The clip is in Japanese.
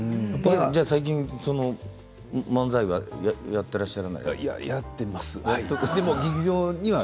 最近漫才はやっていらっしゃらないやっています。